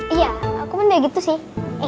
iya aku mending gitu sih